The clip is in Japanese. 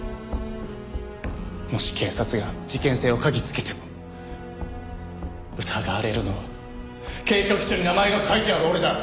もし警察が事件性を嗅ぎつけても疑われるのは計画書に名前が書いてある俺だ。